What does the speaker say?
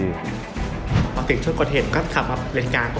สิ่งช่วยบุญเข็มถึงชนกฏเหตุก็ขับเลนจกลางปกติ